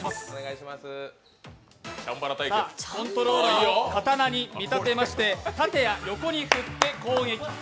コントローラーを刀に見立てまして縦や横に振って攻撃。